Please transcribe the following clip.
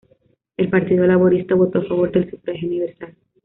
El Partido Laborista votó a favor del sufragio universal.